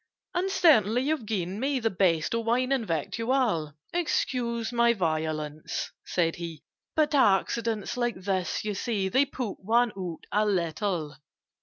"And certainly you've given me The best of wine and victual— Excuse my violence," said he, "But accidents like this, you see, They put one out a little.